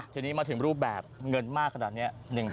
ทีนี้มาถึงรูปแบบเงินมากขนาดนี้